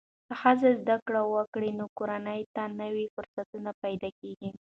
که ښځه زده کړه وکړي، نو کورنۍ ته نوې فرصتونه پیدا کېږي.